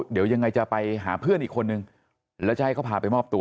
เดี๋ยวยังไงจะไปหาเพื่อนอีกคนนึงแล้วจะให้เขาพาไปมอบตัว